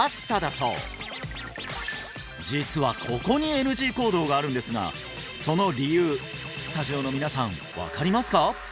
そう実はここにＮＧ行動があるんですがその理由スタジオの皆さん分かりますか？